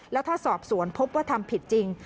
แล้วถ้าสอบสวนพบว่าทำผิดจริง